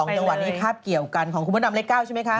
จังหวะนี้คาบเกี่ยวกันของคุณพระดำเลข๙ใช่ไหมคะ